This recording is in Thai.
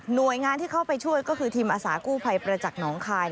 โดยงานที่เข้าไปช่วยก็คือทีมอาสากู้ภัยประจักษ์หนองคาย